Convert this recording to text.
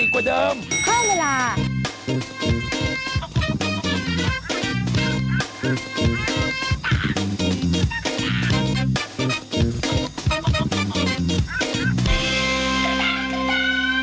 เพิ่มเวลา